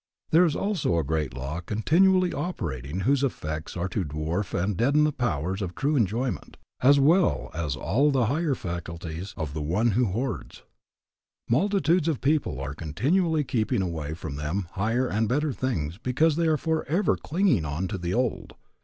There is also a great law continually operating whose effects are to dwarf and deaden the powers of true enjoyment, as well as all the higher faculties of the one who hoards. Multitudes of people are continually keeping away from them higher and better things because they are forever clinging on to the old.